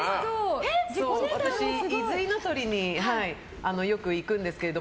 伊豆の稲取によく行くんですけど。